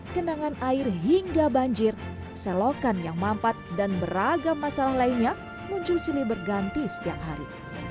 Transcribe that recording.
kenangan air hingga banjir selokan yang mampat dan beragam masalah lainnya muncul silih berganti setiap hari